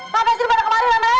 pak faisyid mana kemarin emang ya